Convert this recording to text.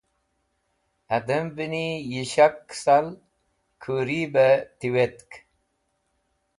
Hadẽmveni yi shak kẽsal kũri bẽ tiwetk.